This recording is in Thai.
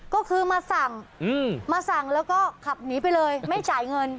ก็คือมาสั่งมาสั่งแล้วก็ขับหนีไปเลยไม่จ่ายเงิน